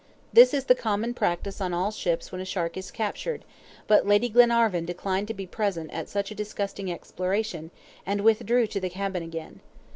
This is the common practice on all ships when a shark is captured, but Lady Glenarvan declined to be present at such a disgusting exploration, and withdrew to the cabin again.